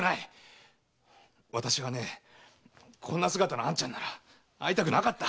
私はねこんな姿の兄ちゃんなら会いたくなかった。